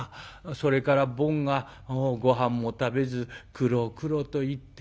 それから坊がごはんも食べず『クロクロ』と言って。